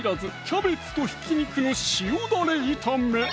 「キャベツとひき肉の塩ダレ炒め」